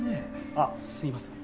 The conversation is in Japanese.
あっすいません。